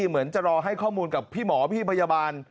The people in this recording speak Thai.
เหมือนจะรอให้ข้อมูลกับพี่หมอพี่พยาบาล